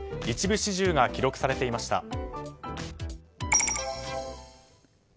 一部始終が記録されていました。